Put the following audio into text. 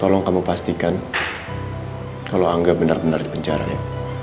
tolong kamu pastikan kalau angga benar benar di penjara ya